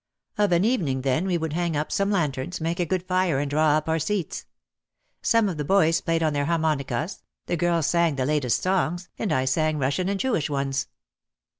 Of an evening then we would hang up some lanterns, make a good fire and draw up our seats. Some of the boys played on their harmonicas, the girls sang the latest songs and I sang Russian and Jewish ones.